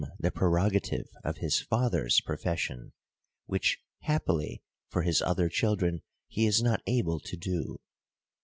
the prerogative of his father's profession, which happily for his other children he is not able to do.